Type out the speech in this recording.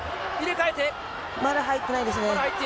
まだ入っていないですね。